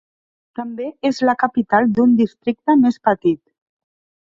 També és la capital d'un districte més petit.